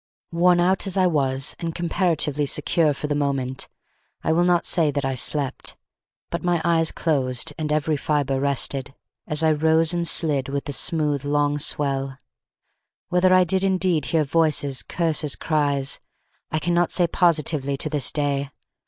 Worn out as I was, and comparatively secure for the moment, I will not say that I slept; but my eyes closed, and every fibre rested, as I rose and slid with the smooth, long swell. Whether I did indeed hear voices, curses, cries, I cannot say positively to this day.